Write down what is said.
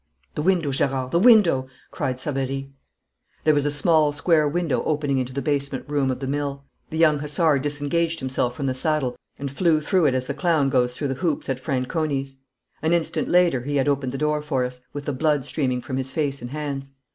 'The window, Gerard, the window!' cried Savary. There was a small, square window opening into the basement room of the mill. The young hussar disengaged himself from the saddle and flew through it as the clown goes through the hoops at Franconi's. An instant later he had opened the door for us, with the blood streaming from his face and hands.